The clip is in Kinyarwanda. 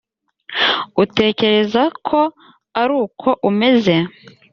utekereza ko ari uko umeze?